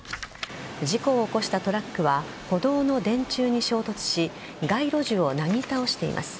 事故を起こしたトラックは歩道の電柱に衝突し街路樹をなぎ倒しています。